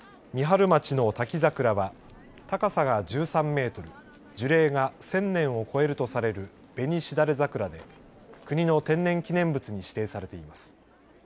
三春町の滝桜は高さが１３メートル樹齢が１０００年を超えるとされるベニシダレザクラで国の天然記念物に指定されています。